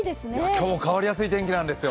今日も変わりやすいお天気なんですよ。